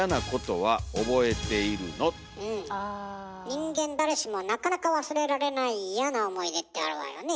人間誰しもなかなか忘れられない嫌な思い出ってあるわよね。